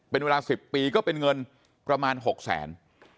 เป็นเวลา๑๐ปีก็เป็นเงินประมาณ๖แสน